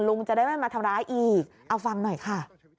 ลุงจะได้ไม่มาทำร้ายอีกเอาฟังหน่อยค่ะ